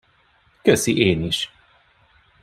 Köszi, én is.